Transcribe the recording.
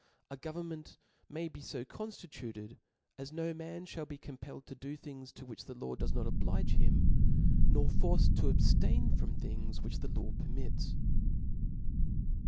A government may be fo conftituted, as no man fhall be compelled to do things to which the law does not oblige him, nor forced td ab ftain from things which the law permits."